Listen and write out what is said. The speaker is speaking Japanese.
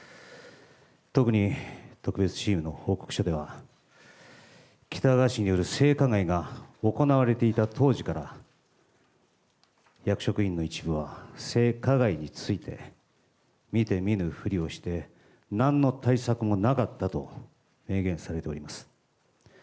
特に特別チームの報告書では、喜多川氏による性加害が行われていた当時から、役職員の一部は性加害について見て見ぬふりをしてなんの対策もなかったと明言されております。